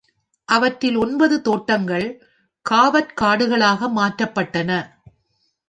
அவற்றில் ஒன்பது தோட்டங்கள் காவற் காடுக ளாக மாற்றப்பட்டன.